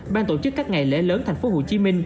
ban tổ chức các ngày lễ lớn tp hcm